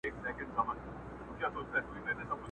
شمع كوچ سوه د محفل له ماښامونو٫